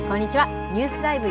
ニュースＬＩＶＥ！